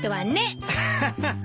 アハハハ